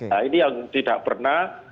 nah ini yang tidak pernah